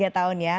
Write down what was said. tiga tahun ya